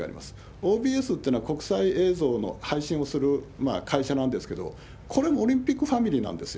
ＯＢＳってのは、国際映像の配信をする会社なんですけれども、これもオリンピックファミリーなんですよ。